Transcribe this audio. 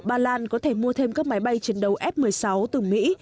ba lan có thể mua thêm các máy bay chiến đấu f một mươi sáu từ mỹ